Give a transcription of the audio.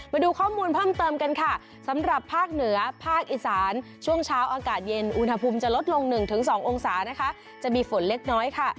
มาดูข้อมูลเพิ่มเติมกันค่ะสำหรับภาคเหนือภาคอีสานช่วงเช้าอากาศเย็นอุณหภูมิจะลดลง๑๒องศานะคะจะมีฝนเล็กน้อยค่ะ